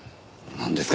なんですか？